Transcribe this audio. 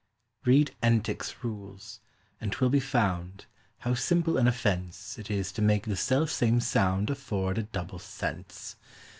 Read Entick's rules, and 'twill be found, how simple an offence It is to make the self same sound afford a double sense.